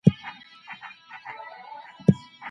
علتونه پیدا کړئ ترڅو ستونزې حل سي.